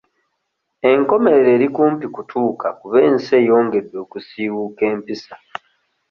Enkomerero eri kumpi kutuuka kuba ensi eyongedde okusiiwuuka empisa.